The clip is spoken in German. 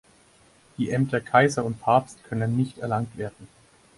Die Ämter Kaiser und Papst können nicht erlangt werden.